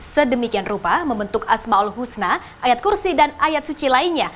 sedemikian rupa membentuk ⁇ asmaul ⁇ husna ayat kursi dan ayat suci lainnya